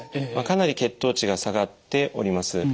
かなり血糖値が下がっております。